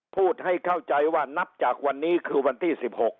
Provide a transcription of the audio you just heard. พูดให้เข้าใจว่านับจากวันนี้คือวันที่๑๖